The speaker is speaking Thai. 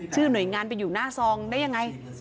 หน่วยงานไปอยู่หน้าซองได้ยังไง